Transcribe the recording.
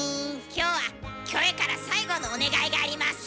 今日はキョエから最後のお願いがあります。